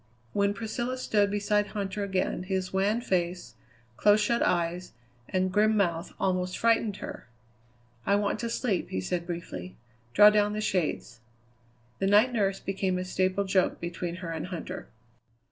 When Priscilla stood beside Huntter again his wan face, close shut eyes, and grim mouth almost frightened her. "I want to sleep," he said briefly. "Draw down the shades." The night nurse became a staple joke between her and Huntter.